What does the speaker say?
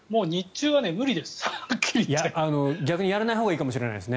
逆にやらないほうがいいかもしれないですね。